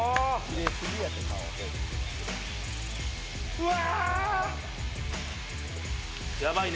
うわ！！